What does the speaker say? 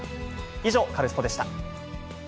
以上、カルスポっ！でした。